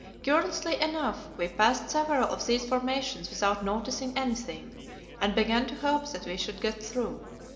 Curiously enough, we passed several of these formations without noticing anything, and began to hope that we should get through.